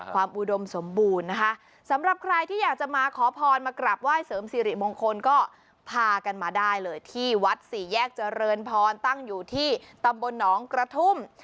อุดมสมบูรณ์นะคะสำหรับใครที่อยากจะมาขอพรมากราบไห้เสริมสิริมงคลก็พากันมาได้เลยที่วัดสี่แยกเจริญพรตั้งอยู่ที่ตำบลหนองกระทุ่ม